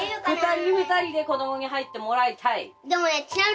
２人２人で子供に入ってもらいたい。